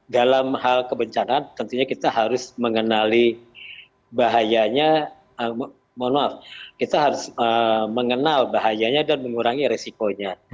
dalam hal kebencanaan tentunya kita harus mengenali bahayanya dan mengurangi resikonya